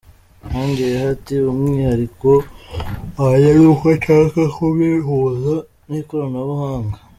Yongeyeho ati “Umwihariko wanjye ni uko nshaka kubihuza n’ikoranabuhanga.